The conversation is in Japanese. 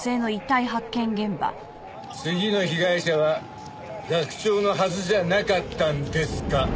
次の被害者は学長のはずじゃなかったんですか？